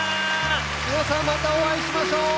皆さんまたお会いしましょ。さようなら。